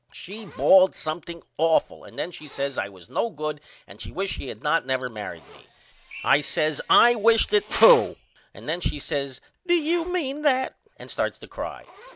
She bawled something awful and then she says I was no good and she wished she had not never married me. I says I wisht it too and then she says Do you mean that and starts to cry.